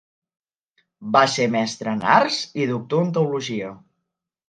Va ser mestre en arts i doctor en teologia.